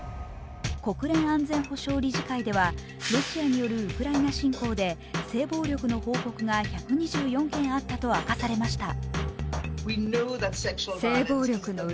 国連安全保障理事会ではロシアによるウクライナ侵攻で性暴力の報告が１２４件あったと明かされました。